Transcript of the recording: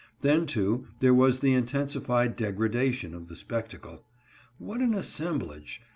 Then, too, there was the intensified degradation of the spectacle. What an assemblage